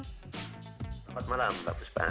selamat malam mbak buspa